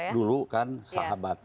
dulu kan sahabat